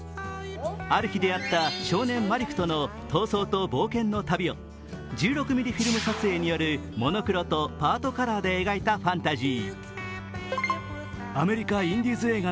ある日出会った少年マリクとの逃走と冒険の旅を１６ミリフィルム撮影によるモノクロとパートカラーで描いたファンタジー。